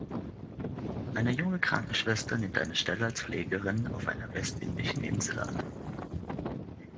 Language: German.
Eine junge Krankenschwester nimmt eine Stelle als Pflegerin auf einer westindischen Insel an.